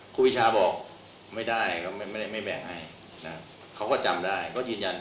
ครูพิชาบอกไม่ได้ก็ไม่แบ่งให้เขาก็จำได้ก็ยืนยัน